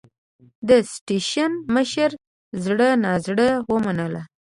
د سټېشن مشر زړه نازړه ومنله.